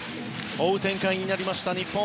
追う展開になりました日本。